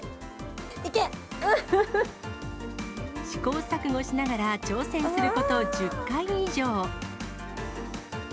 いけ、試行錯誤しながら挑戦すること１０回以上。